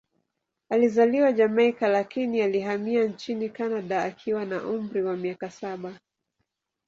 Alizaliwa Jamaika, lakini alihamia nchini Kanada akiwa na umri wa miaka saba.